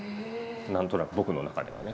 何となく僕の中ではね。